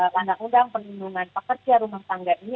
undang undang perlindungan pekerja rumah tangga ini